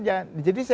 jadi saya kira